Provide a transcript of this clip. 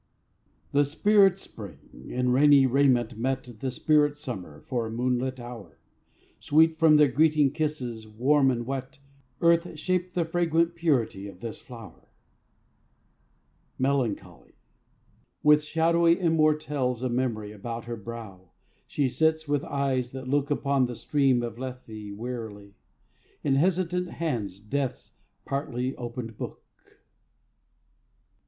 The spirit Spring, in rainy raiment, met The spirit Summer for a moonlit hour: Sweet from their greeting kisses, warm and wet, Earth shaped the fragrant purity of this flower. MELANCHOLY. With shadowy immortelles of memory About her brow, she sits with eyes that look Upon the stream of Lethe wearily, In hesitant hands Death's partly opened book.